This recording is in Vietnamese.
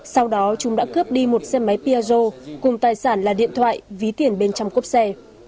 sau đó chúng đã cướp đi một xe máy piaggio cùng tài sản là điện thoại ví tiền bên trong cốp xe